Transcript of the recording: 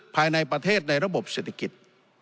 ภายในประเทศในระบบเศรษฐกิจ